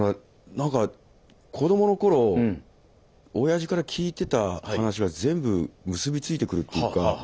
なんか子どもの頃おやじから聞いてた話が全部結び付いてくるっていうか。